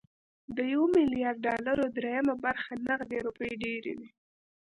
د يو ميليارد ډالرو درېيمه برخه نغدې روپۍ ډېرې وي